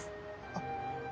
あっ。